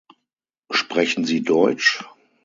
Sprechen Sie deutsch?